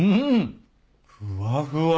ふわふわ。